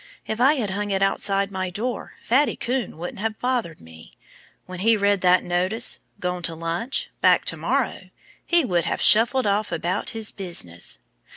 If I had hung it outside my door Fatty Coon wouldn't have bothered me. When he read that notice, 'Gone to lunch. Back To morrow,' he would have shuffled off about his business."